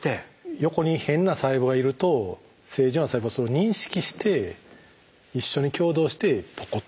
横に変な細胞がいると正常な細胞はそれを認識して一緒に共同してポコッて。